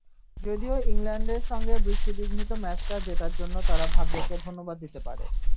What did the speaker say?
যদিও ইংল্যান্ডের সঙ্গে বৃষ্টিবিঘ্নিত ম্যাচটা জেতার জন্য তারা ভাগ্যকে ধন্যবাদ দিতে পারে।